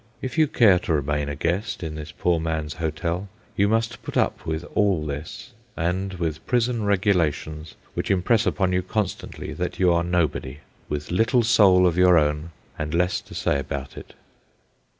If you care to remain a guest in this poor man's hotel, you must put up with all this, and with prison regulations which impress upon you constantly that you are nobody, with little soul of your own and less to say about it.